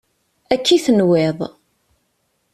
Akka i tenwiḍ.